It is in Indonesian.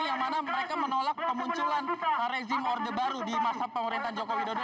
yang mana mereka menolak kemunculan rezim orde baru di masa pemerintahan joko widodo